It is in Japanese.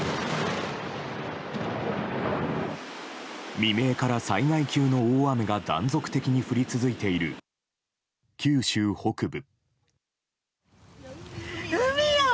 未明から災害級の大雨が断続的に降り続いている九州北部。